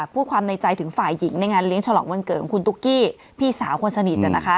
พูดความในใจถึงฝ่ายหญิงในงานเลี้ยงฉลองวันเกิดของคุณตุ๊กกี้พี่สาวคนสนิท